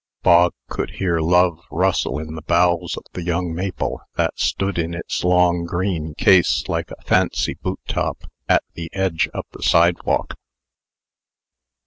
Bog could hear love rustle in the boughs of the young maple, that stood in its long green case like a fancy boot top, at the edge of the sidewalk.